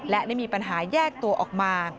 และได้มีปัญหาแยกตัวออกมา